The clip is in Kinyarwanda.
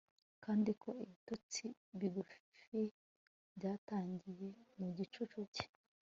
Kandi ko ibitotsi bigufi byatangiriye mu gicucu cye